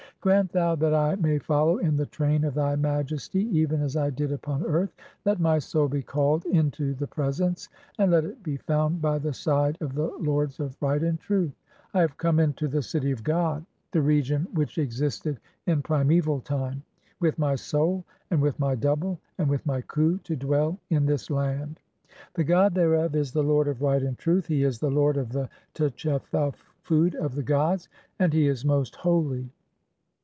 "Grant thou that I may follow in the train of thy Majesty "even as I did upon earth. Let my soul (35) be called [into "the presence], and let it be found by the side of the lords of "right and truth. I have come into the City of God — the "region [which existed] in primeval time — with [my] soul, and "with [my] double, and with [my] khu to dwell in this land. "(36) The god thereof is the lord of right and truth, he is the "lord of the tchefau food of the gods, and he is most holy.